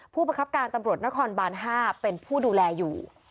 ผู้ประคับการตำรวจนครบาน๕เป็นผู้ดูแลอยู่